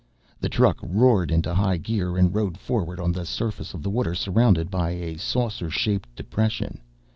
The truck roared into high gear and rode forward on the surface of the water surrounded by a saucer shaped depression.